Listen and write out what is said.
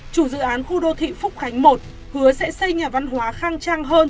chủ dự án khu đô thị phúc khánh một hứa sẽ xây nhà văn hóa khang trang hơn